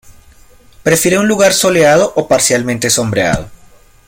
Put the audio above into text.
Prefiere un lugar soleado o parcialmente sombreado.